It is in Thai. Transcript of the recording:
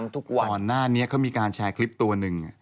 ก่อนหน้านี้เขามีการแชร์คลิปตัวหนึ่ง